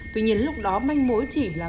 tuy nhiên lúc đó manh mối chỉ là